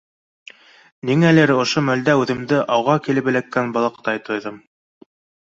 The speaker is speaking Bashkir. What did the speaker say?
Ниңәлер ошо мәлдә үҙемде ауға килеп эләккән балыҡтай тойҙом.